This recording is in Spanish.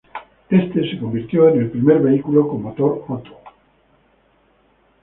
Este se convirtió en el primer vehículo con motor Otto.